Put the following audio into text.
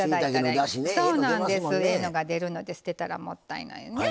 いいだしが出るので捨てたらもったいない。